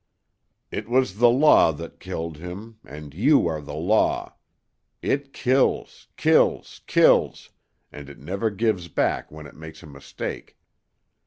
"It was the Law that killed him and you are the Law. It kills kills kills and it never gives back when it makes a mistake."